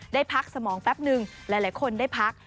ได้พักสมองแป๊บนึงหลายคนได้พัก